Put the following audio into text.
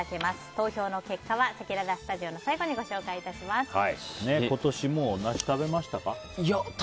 投票の結果はせきららスタジオの最後に今年もう梨食べましたか？